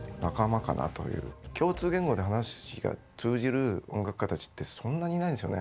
共通言語で話が通じる音楽家たちってそんなにいないんですよね。